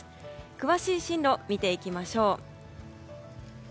詳しい進路を見ていきましょう。